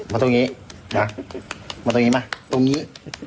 มาตรงนี้นะมาตรงนี้ไหมตรงนี้